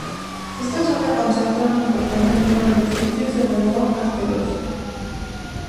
Esta zona concentra un importante número de sitios de valor arqueológico.